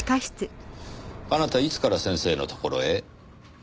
あなたいつから先生のところへ？